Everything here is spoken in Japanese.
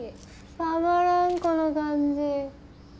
たまらんこの感じ！